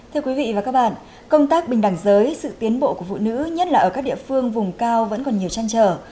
thưa quý vị và các bạn công tác bình đẳng giới sự tiến bộ của phụ nữ nhất là ở các địa phương vùng cao vẫn còn nhiều chăn trở